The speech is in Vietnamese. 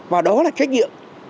và đó là chất lượng